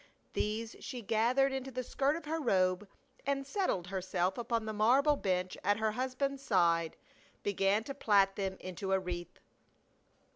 These she gathered into the skirt of her robe, and settling herself upon the marble bench at her husband's side, began to plait them into a wreath.